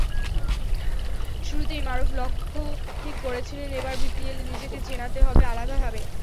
শুরুতেই মারুফ লক্ষ্য ঠিক করেছিলেন, এবার বিপিএলে নিজেকে চেনাতে হবে আলাদাভাবে।